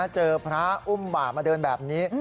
เจอพระอุ้มบ่ามาเดินแบบนี้